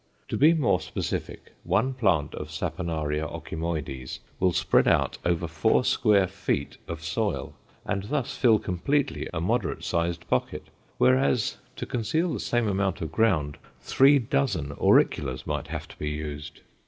To be more specific, one plant of Saponaria ocymoides will spread out over four square feet of soil, and thus fill completely a moderate sized pocket, whereas to conceal the same amount of ground three dozen auriculas might have to be used.